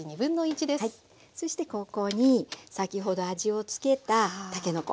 そしてここに先ほど味をつけたたけのこ。